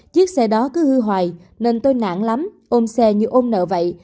chiếc xe đó cứ hư hoài nên tôi nạn lắm ôm xe như ôm nợ vậy